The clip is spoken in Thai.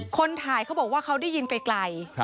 คนถ่ายเขาบอกว่าเขาได้ยินไกล